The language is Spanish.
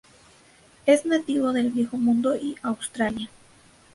Es nativo del Viejo Mundo y Australia.